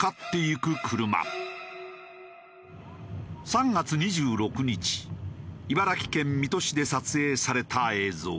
３月２６日茨城県水戸市で撮影された映像。